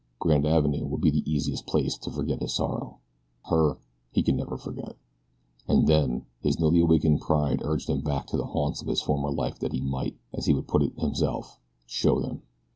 Grand Avenue would be the easiest place to forget his sorrow her he could never forget. And then, his newly awakened pride urged him back to the haunts of his former life that he might, as he would put it himself, show them.